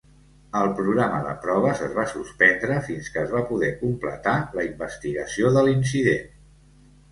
El programa de proves es va suspendre fins que es va poder completar la investigació de l'incident.